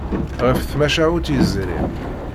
Ɣef tmacahut yezrin.